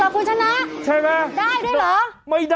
ครับ